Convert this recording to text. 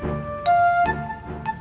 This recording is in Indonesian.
kamu mau ke rumah